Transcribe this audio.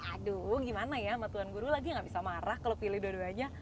aduh gimana ya sama tuan guru lagi gak bisa marah kalau pilih dua duanya